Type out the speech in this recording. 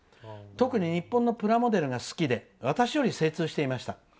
特に日本のプラモデルが好きで私より精通していました。